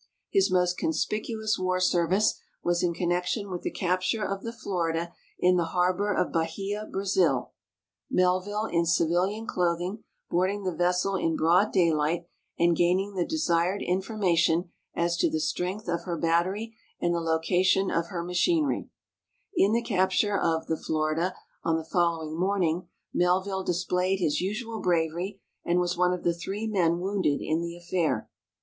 His most conspicuous war service was in connec tion with the capture of the Florida in the harbor of Bahia, Bi azil, Melville, in civilian clothing, boarding the vessel in broad day light and gaining the desired information as to the strength of her batter}^ and the location of her machiner3^ In the capture of the Florida on the following morning Melville displayed Ids usual braver}^ and was one of the three men Avounded in the affair.